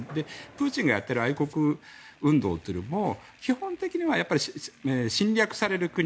プーチンがやっている愛国運動というのも基本的には侵略される国